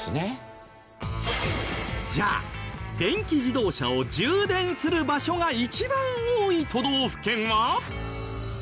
じゃあ電気自動車を充電する場所が一番多い都道府県は？